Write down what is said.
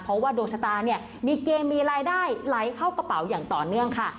เพราะว่าดวงชะตาเนี่ยมีเกณฑ์มีรายได้ไหลเข้ากระเป๋าอย่างต่อเนื่องค่ะ